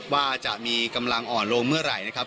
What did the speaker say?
ว่าจะมีกำลังอ่อนลงเมื่อไหร่นะครับ